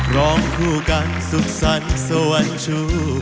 ร้องคู่กันสุขสรรค์สวรรค์ชู